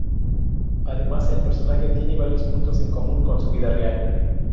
Además, el personaje tiene varios puntos en común con su vida real.